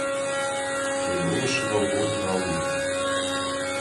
Тего сывӕллон нал уыди.